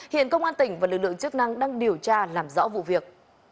hiện công an tỉnh và lực lượng chức năng đang điều tra làm rõ vụ việc